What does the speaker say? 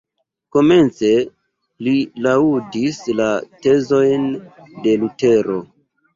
Komence li laŭdis la tezojn de Lutero.